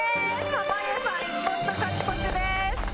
濱家さん１ポイント獲得です。